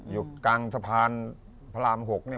อยู่กลางสะพานพระราม๖เนี่ย